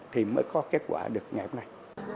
thì mới có kết quả được ngày hôm nay